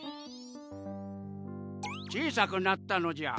小さくなったのじゃ。